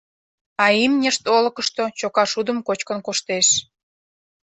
А имньышт олыкышто чока шудым кочкын коштеш.